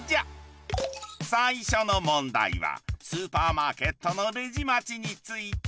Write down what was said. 最初の問題はスーパーマーケットのレジ待ちについて。